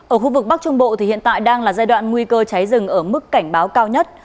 ở khu vực bắc trung bộ thì hiện tại đang là giai đoạn nguy cơ cháy rừng ở mức cảnh báo cao nhất